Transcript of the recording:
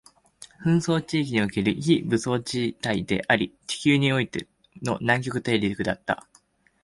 紛争地域における非武装地帯であり、地球においての南極大陸だった